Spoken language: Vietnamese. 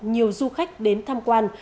nhiều du khách đến tham quan